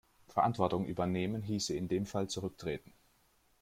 Verantwortung übernehmen hieße in dem Fall zurücktreten.